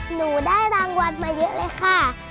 หนูได้รางวัลมาเยอะเลยค่ะ